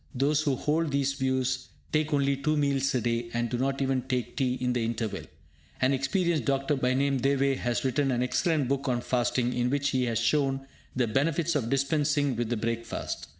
Those who hold these views take only two meals a day, and do not even take tea in the interval. An experienced doctor by name Deway has written an excellent book on Fasting, in which he has shown the benefits of dispensing with the breakfast.